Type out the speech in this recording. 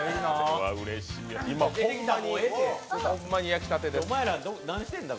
今ホンマに焼きたてです。